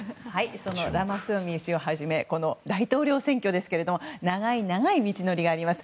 そのラマスワミ氏をはじめ大統領選挙ですけれども長い長い道のりがあります。